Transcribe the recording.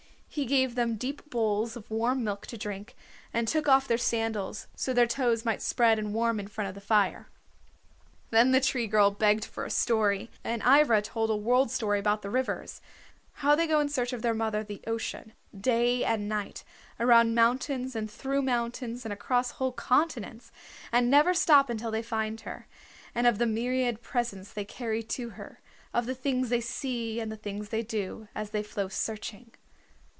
He gave them deep bowls of warm milk to drink, and took off their sandals so that their toes might spread and warm in front of the fire. Then the Tree Girl begged for a story, and Ivra told a World Story about the rivers, how they go in search of their mother, the ocean, day and night, around mountains and through mountains, and across whole continents, and never stop until they find her, and of the myriad presents they carry to her, of the things they see and the things they do, as they flow searching.